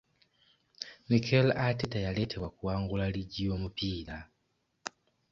Mikel Arteta yaleetebwa kuwangula liigi y'omupiira.